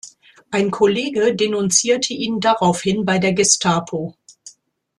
Ein Kollege denunzierte ihn daraufhin bei der Gestapo.